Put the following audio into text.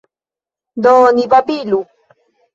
Do ni babilu.